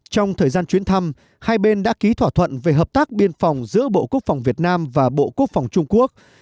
trong thời gian chuyến thăm hai bên đã ký thỏa thuận về hợp tác biên phòng giữa bộ quốc phòng việt nam và bộ quốc phòng trung quốc